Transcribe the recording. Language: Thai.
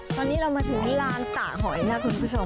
ตอนนี้เรามาถึงลานตากหอยแล้วคุณผู้ชม